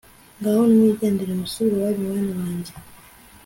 ngaho nimwigendere musubire iwanyu, bana banjye